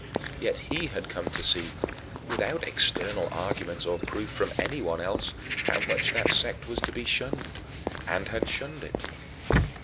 Yet he had come to see, without external argument or proof from anyone else, how much that sect was to be shunned and had shunned it.